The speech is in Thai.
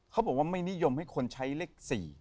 เขาบอกว่าไม่นิยมให้คนใช้เลข๔